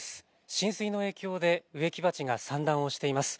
浸水の影響で植木鉢が散乱をしています。